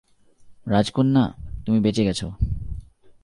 রাজকন্যা, তুমি বেঁচে গেছো।